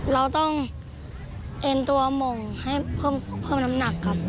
เราต้องเอ็นตัวหม่งให้เพิ่มน้ำหนักครับ